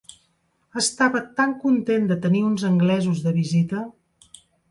Estava tan content de tenir uns anglesos de visita!